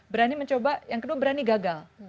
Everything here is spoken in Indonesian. berani mencoba yang kedua berani gagal